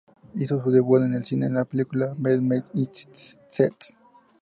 Hizo su debut en el cine en la película "Meet Me in St.